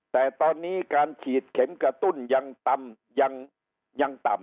แต่ตอนนี้การฉีดเข็มกระตุ้นยังต่ำ